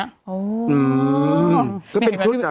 ก็เป็นชุดเหรอ